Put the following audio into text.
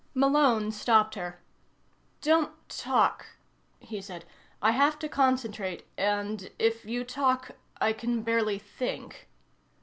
Malone stopped her. "Don't talk," he said. "I have to concentrate and if you talk I can barely think."